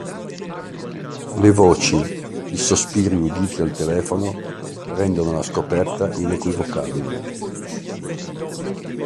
Le voci, i sospiri, uditi al telefono, rendono la scoperta inequivocabile.